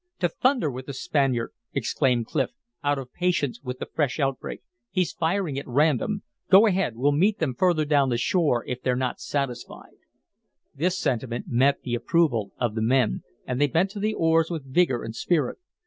"To thunder with the Spaniard," exclaimed Clif, out of patience with the fresh outbreak. "He's firing at random. Go ahead. We'll meet them further down the shore if they're not satisfied." This sentiment met the approval of the men, and they bent to the oars with vigor and spirit.